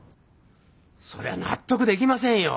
そりゃ納得できませんよ。